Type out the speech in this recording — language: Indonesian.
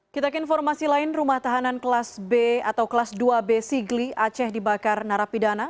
kita ke informasi lain rumah tahanan kelas b atau kelas dua b sigli aceh dibakar narapidana